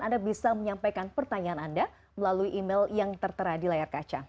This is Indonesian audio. anda bisa menyampaikan pertanyaan anda melalui email yang tertera di layar kaca